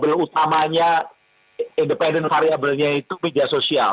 kalau tidak semata mata variabel utamanya independen variabelnya itu media sosial